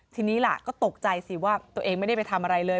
ทีนี้ล่ะก็ตกใจสิว่าตัวเองไม่ได้ไปทำอะไรเลย